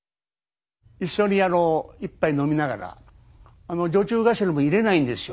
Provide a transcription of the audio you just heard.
一緒にあの一杯飲みながら女中頭も入れないんですよ